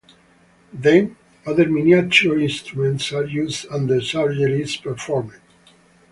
Then other miniature instruments are used and the surgery is performed.